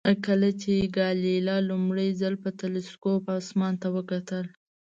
کله چې ګالیله لومړی ځل په تلسکوپ اسمان ته وکتل.